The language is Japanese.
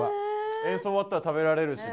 演奏終わったら食べられるしね。